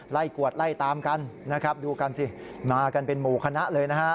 กวดไล่ตามกันนะครับดูกันสิมากันเป็นหมู่คณะเลยนะฮะ